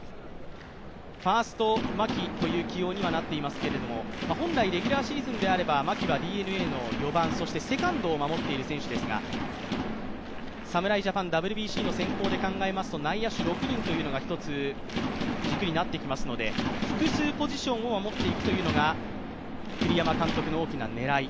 ファースト・牧という起用になっていますけども本来レギュラーシーズンであれば牧はＤｅＮＡの４番そしてセカンドを守っている選手ですが、侍ジャパン、ＷＢＣの選考で考えますと、内野手６人というのが一つ軸になってきますので複数ポジションを守っていくというのが栗山監督の大きな狙い。